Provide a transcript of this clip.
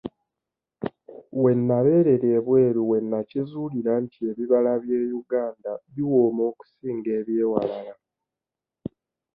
We nabeerera ebweru we nakizuulira nti ebibala by'e Uganda biwooma okusinga eby'ewalala.